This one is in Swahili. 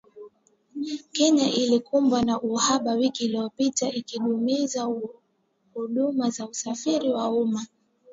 Kenya ilikumbwa na uhaba wiki iliyopita, ikidumaza huduma za usafiri wa umma.